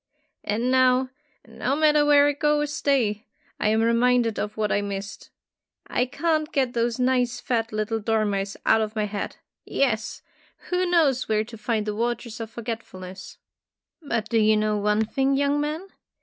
"And now, no matter where I go or stay, I am reminded of what I missed. I can't get those nice fat little dormice out of my head. Yes! Who knows Tales of Modern Germany 149 where to find the Waters of Forgetful ness ? ''But do you know one thing, young man